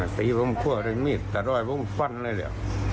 ไฟพรุ่งคว่าได้มีดแต่รอยพรุ่งฟันเลยเหลือ